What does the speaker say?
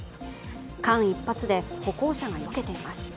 間一髪で歩行者がよけています。